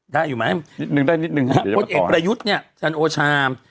ได้อยู่ไหมถ้าผลเอกประยุทธ์เนี่ยจะโอชาม